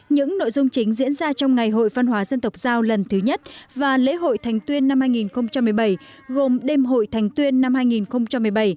những nội dung chính diễn ra trong ngày hội văn hóa dân tộc giao lần thứ nhất và lễ hội thành tuyên năm hai nghìn một mươi bảy gồm đêm hội thành tuyên năm hai nghìn một mươi bảy